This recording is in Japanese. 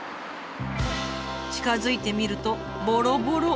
近づいてみるとボロボロ。